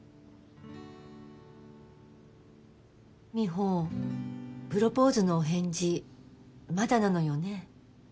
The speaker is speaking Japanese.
美帆プロポーズのお返事まだなのよね？